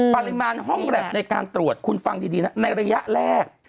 ปริมาณห้องแล็บในการตรวจคุณฟังดีนะในระยะแรก